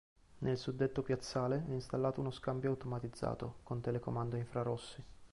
Nel suddetto piazzale è installato uno scambio automatizzato con telecomando a infrarossi.